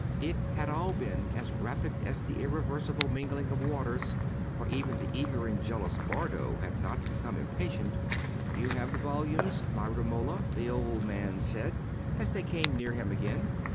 It had all been as rapid as the irreversible mingling of waters, for even the eager and jealous Bardo had not become impatient. "You have the volumes, my Romola?" the old man said, as they came near him again.